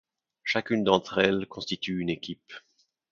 Chacune d'entre elles constitue une équipe.